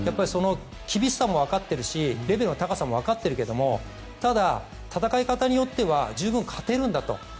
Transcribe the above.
厳しさもわかっているしレベルの高さもわかっているけどただ、戦い方によっては十分勝てるんだと。